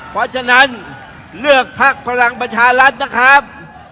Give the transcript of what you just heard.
เพราะฉะนั้นเลือกพักพลังประชารัฐนะครับ